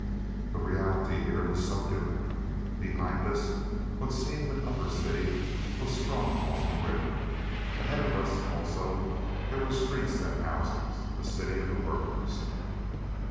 The reality here was so different! Behind us what seemed an upper city was strung along the river. Ahead of us also there were streets and houses, the city of the workers.